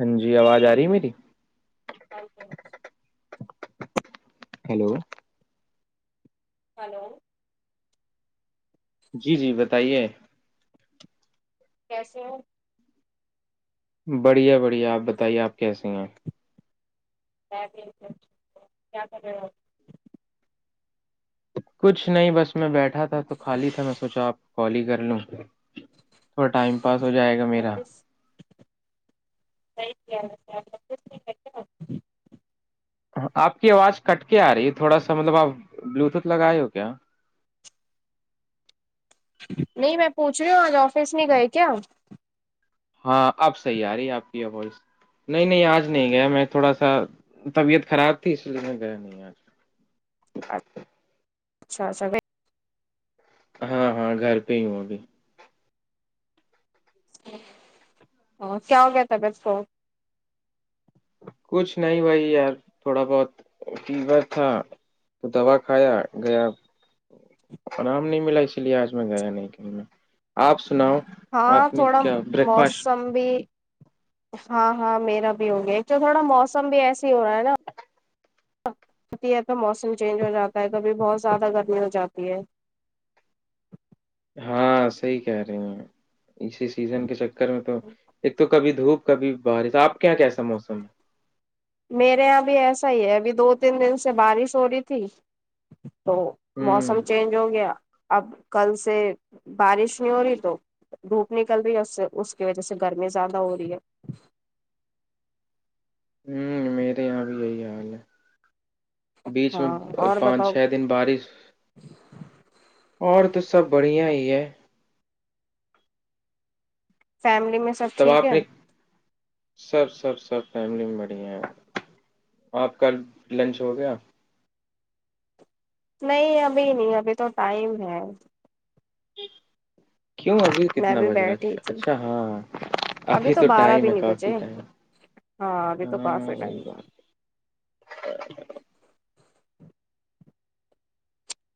ہاں جی آواز آ رہی ہے میری ہیلو ہلو جی جی بتائیے کیسے ہیں بڑھیا بڑھیا آپ بتائیے آپ کیسے ہیں کیا کر رہے ہو آپ کچھ نہیں بس میں بیٹھا تھا تو خالی تھا میں سوچا آپ کالی کر لوں تھوڑا ٹائم پاس ہو جائے گا میرا سی کیا کیا؟ نوٹس نہیں کر کے ہ آپ کی آواز کٹ کے آ رہی ہے تھوڑا سا مطلب آپ بلوٹوتھ لگائے ہو کیا نہیں میں پوچھ رہی ہوں آج آفس میں گئے کیا ہاں آپ صحیح آ رہی آپ کی آو نہیں نہیں آج نہیں گیا میں تھوڑا سا طبیعت خراب تھی اس لیے میں گیا نہیں آج اچ اچھا اچھا ہاں ہاں گھر پہ ہی ہوں ابھی ا کیا ہو گ کیا تبیت کو کچھ نہیں بھائی یار تھوڑا بہت فیور تھا تو دوا کھایا گیا آام نہیں ملا اسی لیے آج میں گیا نہیں کہ میں آپ سناؤ ہاں آپ نے تھوڑا کیا بریک فاسٹ موسم بھی ہاں ہاں میرا بھی ہو گیا ایک تو تھوڑا موسم بھی ایس ہی ہو رہا ہے نا ہوتی ہے تو موسم چینج ہو جاتا ہے کبھی بہت زیادہ گرمی ہو جاتی ہے ہاں صحی کہہ رہی ہیں اسی سیزن کے چکر میں تو ایک تو کبھی دھوپ کبھی بارش آپ کے یہاں کیسا موسم ہے میرے یہاں بھی ایسا ہی ہے ابھی دو تین دن سے بارش ہو رہی تھی تو ہے ہوں موسم چینج ہو گیا اب کل سے بارش نہیں ہو رہی تو دھوپ نکل رہی ہے اس سے اس کی وجہ سے گرمی زیادہ ہو رہی ہے ہوں میرے یہاں بھی یہی حال ہے بیچ میں ہاں اور پانچ بتاؤ چھ دن بارش اور تو سب بڑھیا ہی ہے فیملی میں سب تب ٹھیک آپ ہے نے سب سب سب فیملی میں بڑی ہیں آپ کل لنچ ہو گیا نہیں ابھی نہیں ابھی تو ٹائم ہے کیوں ابھی میں کتنا بھی بج رہا ہے بیٹھی اچھا تھی اچھا ہاں ابھی تو بارہ ٹائم بھی ہے نہیں کافی بجے ٹائم ہاں اگے تو پاس ہے ائم وہی بات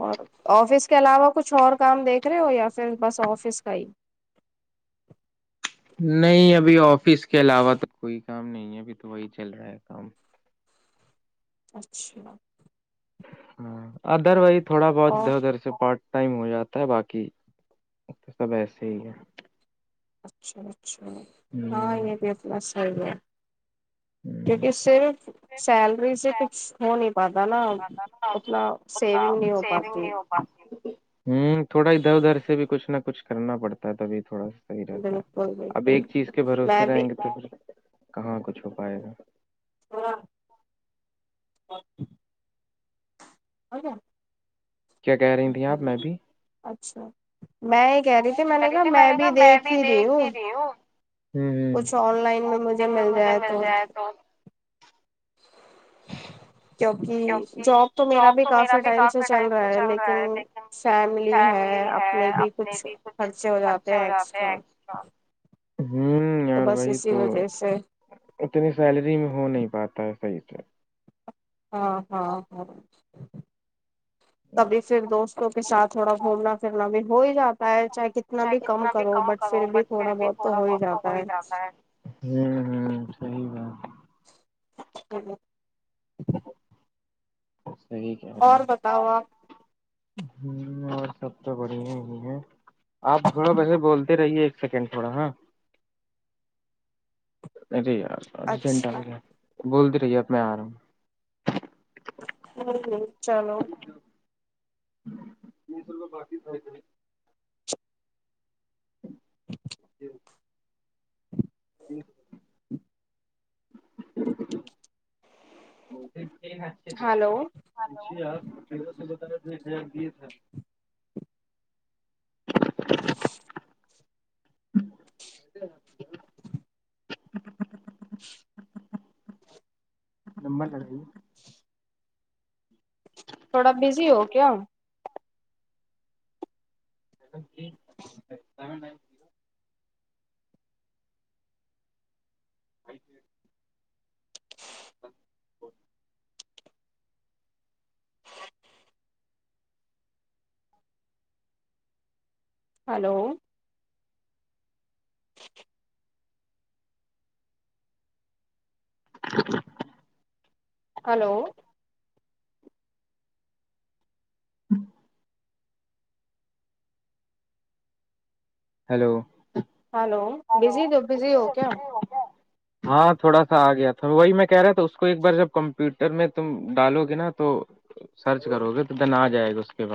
اور آفس کے علاوہ کچھ اور کام دیکھ رہے ہو یا پھر بس آفس کا ہی نہیں ابھی آفس کے علاوہ تو کوئی کام نہیں ہے ابھی تو وہی چل رہا ہے کام اچھا ہاں ادر وز تھوڑا بہت اور ادھر ادھر سے پارٹ ٹائم ہو جاتا ہے باقی تو سب ایسے ہی ہے اچھا اچھا ہ ہاں یہ بھی انا صحیح ہے ہ کیونکہ صرف سیلری سے کچھ ہو نہیں پاتا ہو نا نہیں پاتا نا اتنا سیونگ نہیں ہو پاتی ہ تھوڑا ادھر ادھر سے بھی کچھ نہ کچھ کرنا پڑتا ہے تبھی تھوڑا صحیح رہتا ہے بالکل اب بالکل ایک چیز کے بھروسے میں بھی رہیں گے تو پھر کہاں کچھ ہو پائے گا ہاں کیا کہہ رہی تھیں آپ میں بھی اچھا کر رہی تھی میں نے کہا میں بھی دیکھ ہی رہی ہوں ہ ہ لائن میں مجھے مل جائے تو [unintelligible] کیوںکہ جاب تو میرا بھی کافی ٹائم سے چل رہا ہے لیکن فیملی ہے اپنے بھی کچھ خرچے ہو جاتے ہیں ایکسٹرا ہوں تو یار بس وہی اسی تو وجہ سے اتنی سیلری میں ہو نہیں پاتا ہے صحیح سے ہاں ہاں ہاں تبھی پھر دوست کے ساتھ تھوڑا گھومنا پھرنا بھی ہو ہی جاتا ہے چاہے ک اتنا بھی کم کرو بٹ پھر بھی تھوڑا بہت تو ہو ہی جاتا ہے ہوں ہ ہوں صی بات ہوں ے یہی کہہ رہے ہیں اور بتاؤ آپ ہ اور سب تو بڑھیا ہی ہے آپ تھوڑا بیسے بولتے رہیے ایک سیکنڈ تھوڑا ہاں نہیںی ارجنٹ آ اچھا گیا بول دی رہیے اب میں آ رہا ہوں ہ ہ چلو سر بقی ہےے جی جی ھرھا کیا ہلو بتا د تھا [unintelligible] لمبر لگی تھوڑا بزی ہو کیا [unintelligible] ہلو [unintelligible] ہلو ہوں ہیلو ہلو ہلو بزی دو بزی ہو کیا ہو کیا ہاں تھوڑا سا آ گیا تھا وہی میں کہہ رہا تھا اس کو ایک بار جب کمپیوٹر میں تم ڈالو گے نا تو سرچ کرو گے تودنا ن آ جائے گا ب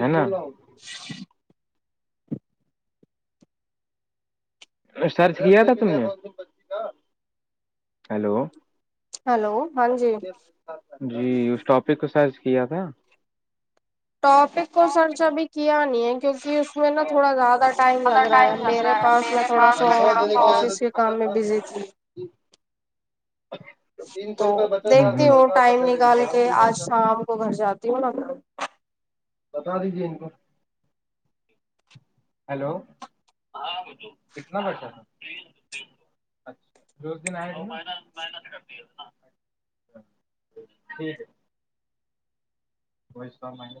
ہے نا [inaudible] سرچ کیا تھا تم نے ہلو ہلو ہاں جی جی اس ٹاپک کو سرچ کیا تھا ٹاپک کو سرچ ابھی کیا نہیں ہے کیوںکہ اس میں نا تھوڑا زیادہ ٹائم لگ رہا ہے ٹائم لگ میرے رہا ہے پاس میں میرے تھوڑا پاس سا میں آفس کے کام میں بزی تھی جی اچھ تو دیکھتی ہوں ٹائم کہہ رہے نکال چار کے سو روپئے آج بچا شام کو گھر جاتی ہوں نا بتا دیجیے ان کو ہیلو کتنا بچا تھا اچھا پھر دن آئےتی ٹھیک ہے وہی سو مائن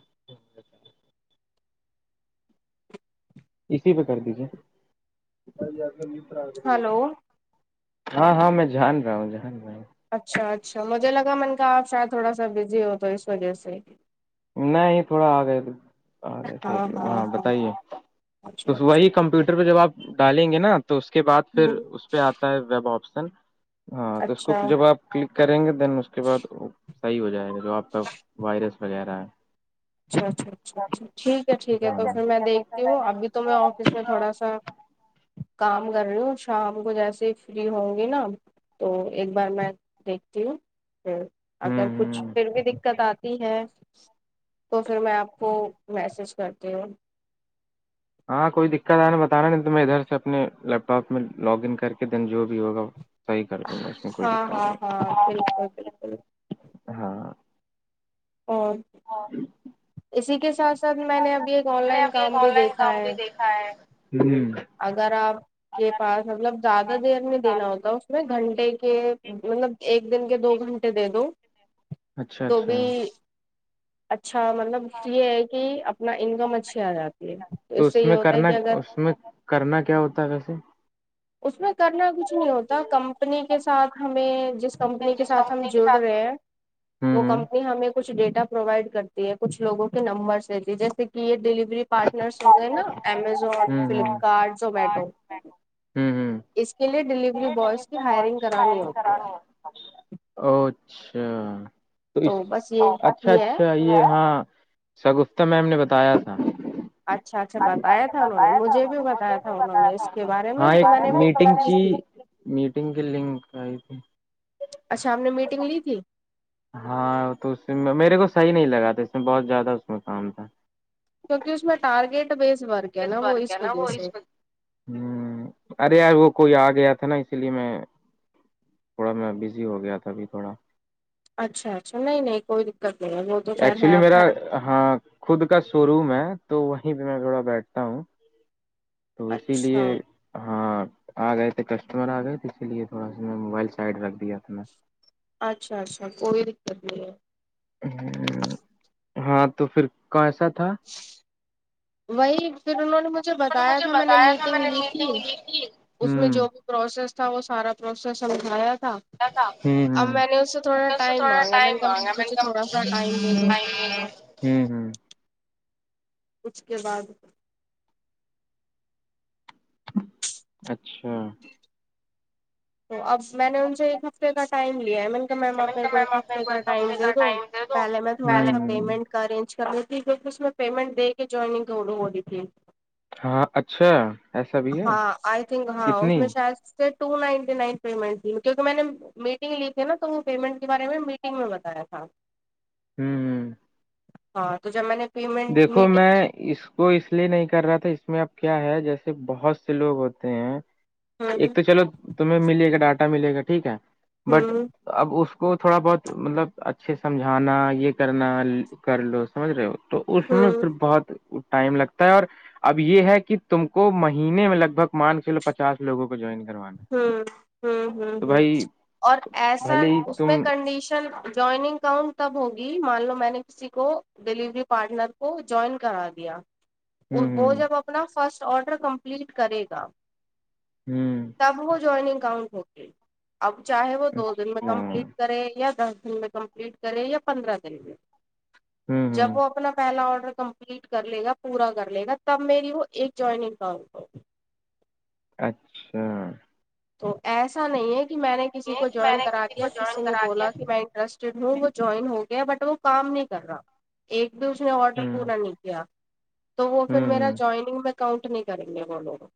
اسی پہ کر دیجےار آ ہلو ہاں ہاں میں جان رہا ہوں جان رہا ہوں اچھا اچھا مجھے لگا من کا آپ شاید تھوڑا سا بزی ہو تو اس وجہ سے نہیں تھوڑا آ گئے تو آ گئے تھ ایک لوگ ہاں بتائیے تو اچھا اچھا وہی کمپیوٹر پہ جب آپ ڈالیں گے نا تو اس کے بعد پھر ہ اس پہ آپ ہے ویب آپشن ہاں تو اس کو اچھا جب آپ کلک کریں گے دین اس کے بعد صحیح ہو جائے گا جو آپ کا وائرس وغیرہ ہے اچھا اچھا اچھا اچھا ٹھیک ہے ٹھیک ہے ہاں تو پھر میں دیکھتی ہوں ابھی تو میں آفس میں ہوں تھوڑا سا کام کر رہی ہوں شام کو جیسے فری ہوں گی نا تو ایک بار میں دیکھتی ہوں اگر کچھ ہوں پھر بھی دقت آتی ہے تو پھر میں آپ کو میسج کرتی ہوں ہاں کوئی دقت آ نا بتانا نہیں تو میں ادھر سے اپنے لیپ ٹاپ میں لاگ ان کر کے دن جو بھی ہوگا صحیح کر دوں گا اس میں کوئی ہاں دقت ہاں نہیں ہاں بالکل بالکل ہاں اور اسی کے ساتھ ساتھ میں نے ابھی ایک آن میں نے لائن ابھی ایک کام بھی آن لائن دیکھا کام ہے بھی ہوں اگر آپ کے پاس مطلب زیادہ دیر میں دینا ہوتا اس میں گھنٹے کے مطلب ایک دن کے دو گھنٹے دے دو اچھا تو بھی اچھا اچھا مطلب یہ ہے کہ اپنا انکم اچھی آ جاتی ہے تو اس سے یہ ہوتا ہے کہ اگر س میں [unintelligible] کرنا کیا ہوتا ہے کیسے اس میں کرنا کچھ نہیں ہوتا کمپنی کے ساتھ ہمیں جس کمپنی کے ساتھ ہم جڑ رہے ہیں ہاں کمپنی ہمیں کچھ ڈیٹا پروائڈ کرتی ہے کچھ لوگوں کے نمبرس دیتی ہے جیسے کہ یہ ڈیلیوری پارٹنرس ہوں گ ہیں نا امیزون ہوں فلپکارٹ زومیٹو ہوں ہوں اس کے لیے دلی اچھا تو اس بس یہ اچھا ہی ہے اچھا یہ ہاں سگفتہ میم نے بتایا تھا اچھا بتایا اچھا تھا انہوں نے بتایا تھا مجھے انہوں بھی نے مے بتایا تھا بھی انہوں بتایا نے تھا اس کے بارے میں ہاں تو میں نے میٹنگ لی کی تھی میٹنگ کے ل کائی تھی اچھا ہم نے میٹنگ لی تھی ہاں تو اس میرے کو صحیح نہیں لگا تھا اس میں بہت زیادہ اس میں کام تھا کیونکہ اس میں ٹارگیٹ بیس ورک ہے نا وہ ورک ہے اس نا وجہ وہ سے ہوں ارے یار وہ کوئی آ گیا تھا نا اسی لیے میں تھوڑا میں بزی ہو گیا تھا ابھی تھوڑا اچھا اچھا نہیں نہیں کوئی دقت نہیں ہے وہ تو خل ہے ایکچولی آپ میرا گھر ہاں خود کا شو روم ہے تو وہیں پہ میں تھوڑا بیٹھتا ہوں تو اسی لیے اچھا ہاں آ گئے تھے کسٹمر آ گئے تھے اسی لیے تھوڑا سا میں موبائل سائڈ رکھ دیا تھا میں [inaudible] اچھا اچھا کوئی دقت نہیں ہے ہ ہاں تو پھر کوسا تھا [inaudible] وہی پھر انہوں نے مجھے نے بتایا مجھے تھا میں نے بتایا تھا میں میٹنگ نے لی تھی میٹنگ لی تھی اس میں جو بھی پروسیس تھا وہ سارا پروسیس سمجھایا تھا اب میں نے اس سے تھوڑا ٹائم تھوڑا مانگا میں ٹائم نے کہا آگا مجھے تھوڑا سا ٹائم دے دو [inaudible] ہوں ہوں اس کے بعد [inaudible] اچھا تو اب میں نے ان سے ایک ہفتے کا ٹائم لیا ہے میں نے میم آپ میں میرے کہا کو ایک میم آپ میرے ہفتے کو کا ایک ٹائم ہفتے دے کا دو ٹائم دے دو پہلے میں تھوڑا سا ہوں پیمنٹ ارینج کرنی تھی پھر اس میں پیمنٹ دے کے جوائنگ ہو رہی تھی ہاں اچھا ایسا بھی ہے ہاں آئی تھنک ہاں اس کتنی میں شاید ٹو نائن لن پیمنٹ تھی کیہ میں نے میٹنگ لی تھی نا تو وہ پیمنٹ کے بارے میں میٹنگ میں بتایا تھا ہوں ہ ہاں تو جب میں نے پیمنٹ دیکھو میں میٹنگ لی اس وہ اس لیے نہیں کر رہا تھا اس میں اب کیا ہے جیسے بہت سے لوگ ہوتے ہیں ایک ہوں تو چلو تمہیں ملے گا ڈاٹا ملے گا ٹھیک ہے بٹ ہوں اب اس کو تھوڑا بہت مطلب اچھے سمجھانا یہ کرنا کر لو سمجھ رہے ہو تو اس میں ہوں پھر بہت ٹائم لگتا ہے اور اب یہ ہے کہ تم کو مہینے میں لگ بھگ مان کےلو پچاس لوگوں کو جوائن کیا ہاں ہوں ہوں ہ [inaudible] اور ایسا بھلے ہی اس تم میں کنڈیشن جوائننگ اسکاؤنٹ تب ہوگی مان لو میں نے کسی کو ڈیلیوری پارٹنر کو جوائن کرا دیا ہوں وہ جب اپنا فرسٹ آڈر کمپلیٹ کرے گا ہوں تب وہ جوائنگ کاؤنٹ ہوتی اب چاہے وہ دو دن میں اچھا کمپلیٹ کرے یا دس دن میں کمپلیٹ کرے یا پندرہ دن میں ہوں جب ہوں وہ اپنا پہلا آڈر کم لیٹ کر لے گا پورا کر لے گا تب میری وہ ایک جوائن اکاؤنٹ ہو اچھا تو ایسا نہیں ہے کہ میں نے کسی یہ کو کہ میں جوائن نے کرا کو دیا جوائن کسی نے کرا دیا بولا کہ میں انٹرسٹ ہوں وہ جوائن ہو گیا بٹ وہ کام نہیں کر رہا ایک بھی اس نے آرڈر ہوں پورا نہیں کیا تو وہ پھر ہوں ہ میرا جوائننگ میں کاؤنٹ نہیں کریں گے وہ لوگ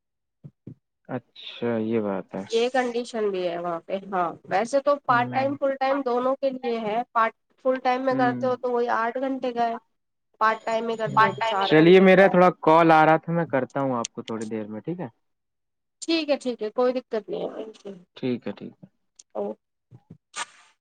اچھا یہ بات ہے یہ کنڈیشن بھی ہے وہاں پہ ہاں ویسے تو تو ہوں پارٹ ٹائم ہوں فل ٹائم دونوں کے لیے ہے پارٹ فل ٹائم میں کرتے ہو تو وہی آرٹ چ گھنٹے کائے پارٹ ٹائم میں کرتے ہو پارٹ تو ٹائم میں چار چلیے گھنٹے میرا کائے تھوڑا کال آ رہا تھا میں کرتا ہوں آپ کو تھوڑی دیر میں ٹھیک ہے ٹھیک ہے ٹھیک ہے کوئی دقت نہیں ہے ٹھیک ہے ٹھیک اوکے